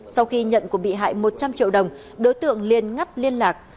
sau khi nhận của bị hại một trăm linh triệu đồng đối tượng liên ngắt liên lạc